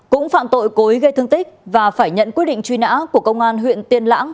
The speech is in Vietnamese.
cũng phạm tội cố ý gây thương tích và phải nhận quyết định truy nã của công an huyện tiên lãng